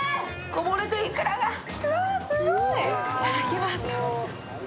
こぼれてるいくらがいただきます